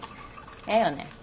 ええよね？